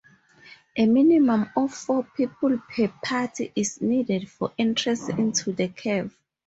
A minimum of four people per party is needed for entrance into the cave.